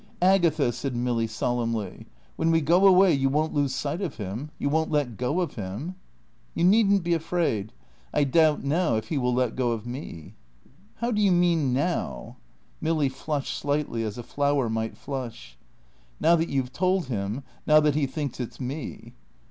"Agatha," said Milly, solemnly, "when we go away you won't lose sight of him? You won't let go of him?" "You needn't be afraid. I doubt now if he will let go of me." "How do you mean now?" Milly flushed slightly as a flower might flush. "Now that you've told him, now that he thinks it's me."